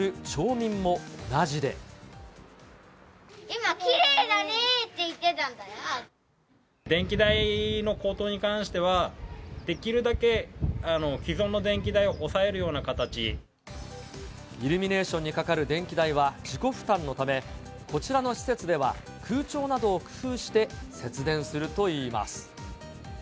今、電気代の高騰に関しては、できるだけ既存の電気代を抑えるような形。イルミネーションにかかる電気代は自己負担のため、こちらの施設では、空調などを工夫して節電するといいます。